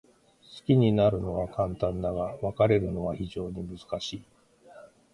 好きになるのは簡単だが、別れるのは非常に難しい。